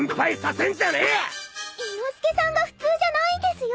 伊之助さんが普通じゃないんですよ。